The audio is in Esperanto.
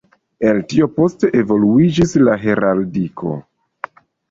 El tio poste evoluiĝis la heraldiko.